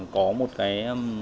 có một cái